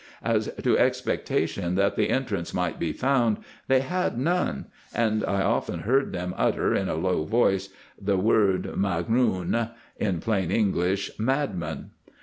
As to expectation that the entrance might be found, they had none ; and I often heard them utter, in a low voice, the word " magnoon" in plain English, mad man.